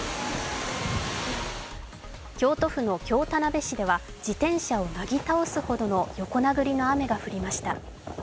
京都府の京田辺市では自転車をなぎ倒すほどの横殴りの雨が降りました。